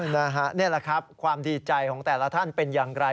นี่แหละครับความดีใจของแต่ละท่านเป็นอย่างไร